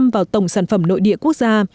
vào tổng sản phẩm nội địa quốc gia